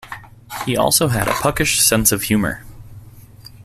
He also had a puckish sense of humour.